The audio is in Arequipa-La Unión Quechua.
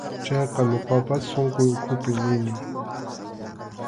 Chayqa ñuqapas sunquy ukhupi nini.